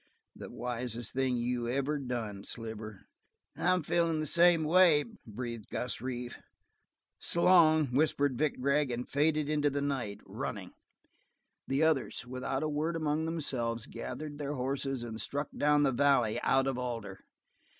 "The wisest thing you ever done, Sliver." "I'm feelin' the same way," breathed Gus Reeve. "S'long," whispered Vic Gregg, and faded into the night, running. The others, without a word among themselves, gathered their horses and struck down the valley out of Alder.